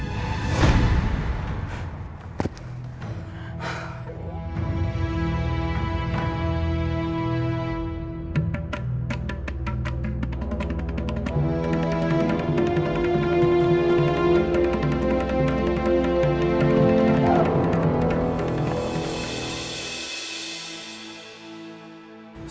kita harus berhenti